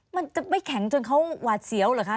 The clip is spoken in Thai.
มันจะไม่แข็งจนเขาหวาดเสียวเหรอคะ